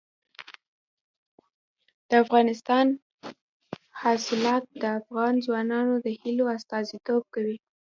دځنګل حاصلات د افغان ځوانانو د هیلو استازیتوب کوي.